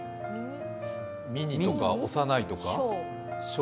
ミニとか幼いとか？